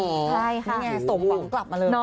นี่ไงสมหวังกลับมาเลย